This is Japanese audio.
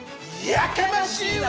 やかましいわ！